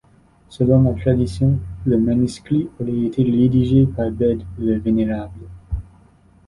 Selon la tradition, le manuscrit aurait été rédigé par Bède le Vénérable.